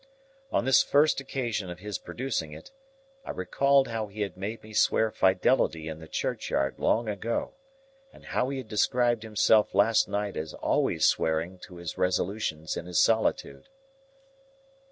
On this first occasion of his producing it, I recalled how he had made me swear fidelity in the churchyard long ago, and how he had described himself last night as always swearing to his resolutions in his solitude.